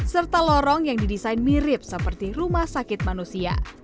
serta lorong yang didesain mirip seperti rumah sakit manusia